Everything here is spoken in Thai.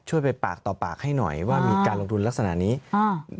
ช่วยไปปากต่อปากให้หน่อยว่ามีการลงทุนลักษณะนี้อ่า